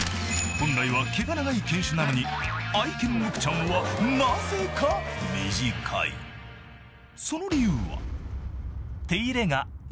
［本来は毛が長い犬種なのに愛犬ムクちゃんはなぜか短い］えっ？